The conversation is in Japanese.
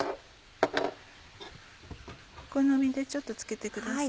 お好みでちょっと付けてください。